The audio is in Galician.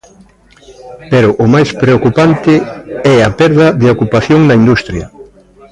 Pero o máis preocupante é a perda de ocupación na industria.